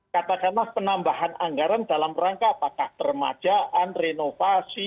katakanlah penambahan anggaran dalam rangka apakah permajaan renovasi